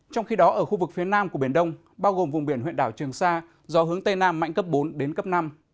trong khi đó ở khu vực phía nam của biển đông bao gồm vùng biển huyện đảo trường sa gió hướng tây nam mạnh cấp bốn đến cấp năm